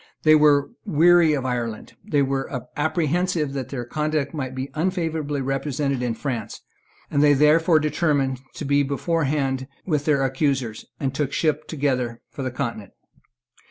They were weary of Ireland; they were apprehensive that their conduct might be unfavourably represented in France; they therefore determined to be beforehand with their accusers, and took ship together for the Continent.